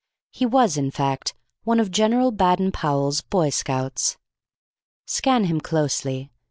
He was, in fact, one of General Baden Powell's Boy Scouts. Scan him closely.